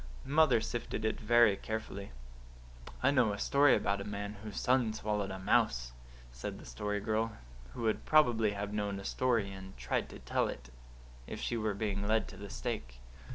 Mother sifted it very carefully." "I know a story about a man whose son swallowed a mouse," said the Story Girl, who would probably have known a story and tried to tell it if she were being led to the stake.